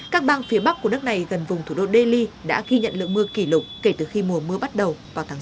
các bang phía bắc của nước này gần vùng thủ đô delhi đã ghi nhận lượng mưa kỷ lục kể từ khi mùa mưa bắt đầu vào tháng sáu